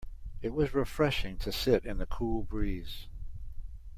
It was refreshing to sit in the cool breeze.